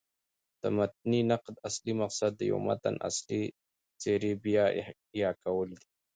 د متني نقد اصلي مقصد د یوه متن اصلي څېرې بيا احیا کول دي.